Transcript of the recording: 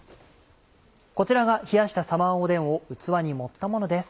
こちらが冷やしたサマーおでんを器に盛ったものです。